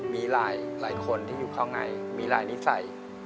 มีหลายคนที่อยู่ข้างในมีลายนิสัย